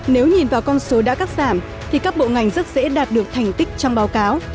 nếu nhìn vào con số đã cắt giảm thì các bộ ngành rất dễ đạt được thành tích trong báo cáo